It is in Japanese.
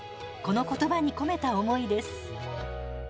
このことばに込めた思いです。